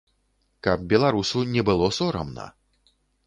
Каб беларусу не было сорамна!